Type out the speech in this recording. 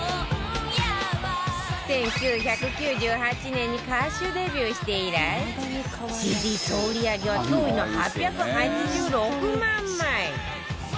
１９９８年に歌手デビューして以来ＣＤ総売り上げは驚異の８８６万枚。